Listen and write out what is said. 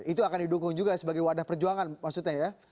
itu akan didukung juga sebagai wadah perjuangan maksudnya ya